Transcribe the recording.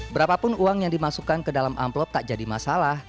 berapapun uang yang dimasukkan ke dalam amplop tak jadi masalah